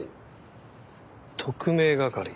特命係。